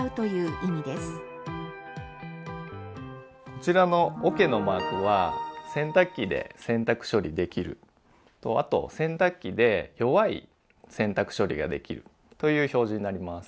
こちらのおけのマークは洗濯機で洗濯処理できるあと洗濯機で弱い洗濯処理ができるという表示になります。